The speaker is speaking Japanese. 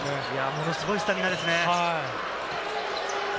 ものすごいスタミナですね。